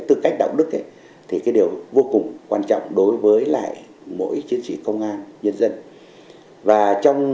tư cách đạo đức ấy thì cái điều vô cùng quan trọng đối với lại mỗi chiến sĩ công an nhân dân và trong